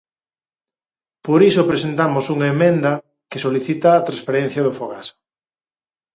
Por iso presentamos unha emenda que solicita a transferencia do Fogasa.